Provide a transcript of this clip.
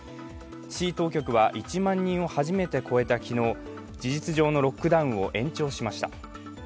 市当局は１万人を初めて超えた昨日事実上のロックダウンを延長しました。